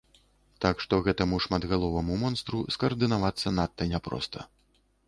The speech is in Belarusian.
Так што гэтаму шматгаловаму монстру скаардынавацца надта няпроста!